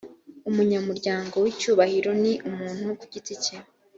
umunyamuryango w icyubahiro ni umuntu ku giti cye